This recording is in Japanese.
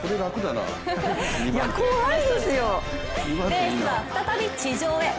レースは再び地上へ。